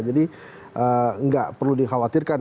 jadi nggak perlu dikhawatirkan